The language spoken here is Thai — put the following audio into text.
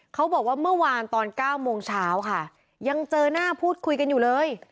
เมื่อวานตอน๙โมงเช้าค่ะยังเจอหน้าพูดคุยกันอยู่เลย